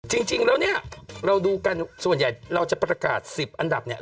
จริงแล้วเนี่ยเราดูกันส่วนใหญ่เราจะประกาศ๑๐อันดับเนี่ย